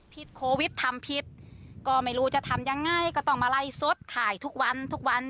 โควิดทำผิดก็ไม่รู้จะทำยังไงก็ต้องมาไล่สดขายทุกวันทุกวัน